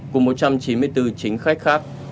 cùng một trăm chín mươi bốn chính khách khác